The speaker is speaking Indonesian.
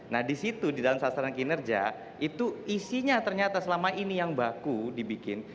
nah di situ di dalam sasaran kinerja itu isinya ternyata selama ini yang baku dibikin